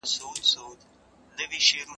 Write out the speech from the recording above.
که نوی کال وي نو هیله نه زړیږي.